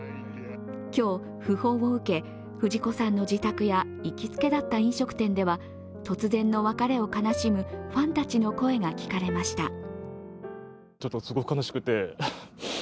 今日、訃報を受け、藤子さんの自宅や行きつけだった飲食店では突然の別れを悲しむファンたちの声が聞かれました。